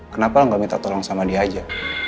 kenapa lo gak minta tolong sama dia aja